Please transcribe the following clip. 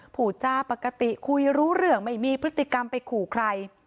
ผูจ้าปกติคุยรู้เรื่องไม่มีพฤติกรรมไปขู่ใคร